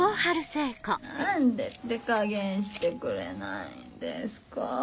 何で手加減してくれないんですか？